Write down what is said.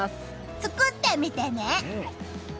作ってみてね！